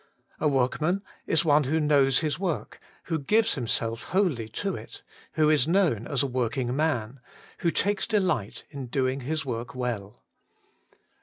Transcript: A workman is one who knows his work, who gives himself wholly to it, who is known as a working man, who takes delight in doing his work well.